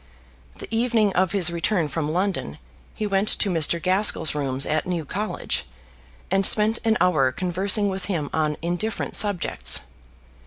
The evening of his return from London he went to Mr. Gaskell's rooms at New College, and spent an hour conversing with him on indifferent subjects.